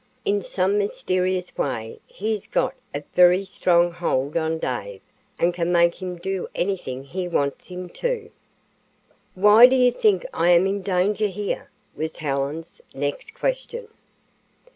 In some mysterious way he has got a very strong hold on Dave and can make him do anything he wants him to." "Why do you think I am in danger here?" was Helen's next question.